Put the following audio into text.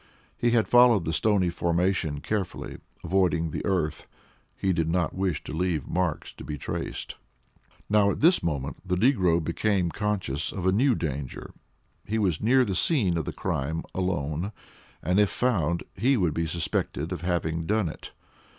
He had followed the stony formation carefully, avoiding the earth; he did not wish to leave marks to be traced. Now, at this moment the negro became conscious of a new danger; he was near the scene of the crime alone, and if found, he would be suspected of having done it.